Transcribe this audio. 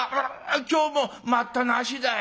今日も『待ったなし』だい」。